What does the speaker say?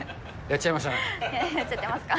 やっちゃってますか。